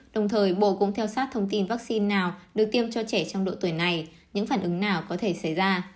đồng thời bộ cũng theo sát thông tin vaccine nào được tiêm cho trẻ trong độ tuổi này những phản ứng nào có thể xảy ra